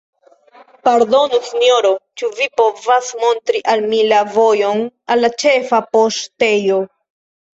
Pardonu, Sinjoro, ĉu vi povas montri al mi la vojon al la ĉefa poŝtejo?